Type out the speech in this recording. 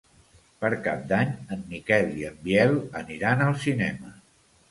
Per Cap d'Any en Miquel i en Biel aniran al cinema.